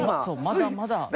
そうまだまだ。